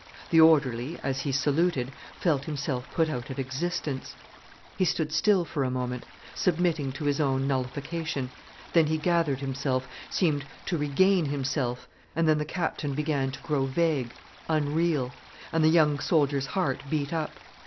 The orderly, as he saluted, felt himself put out of existence. He stood still for a moment submitting to his own nullification, then he gathered himself, seemed to regain himself, and then the Captain began to grow vague, unreal, and the younger soldier's heart beat up.